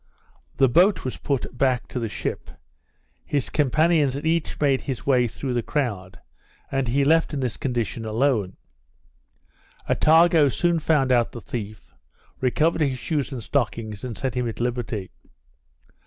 The boat was put back to the ship, his companions had each made his way through the crowd, and he left in this condition alone. Attago soon found out the thief, recovered his shoes and stockings, and set him at liberty.